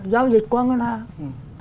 giao dịch qua ngân hàng